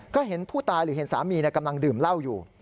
ก็เห็นผู้ตายหรือเห็นสามีกำลังดื่มเหล้าอยู่